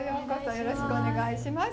よろしくお願いします。